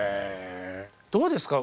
へえどうですか？